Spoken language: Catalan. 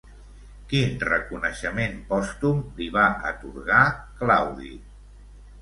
Quin reconeixement pòstum li va atorgar Claudi?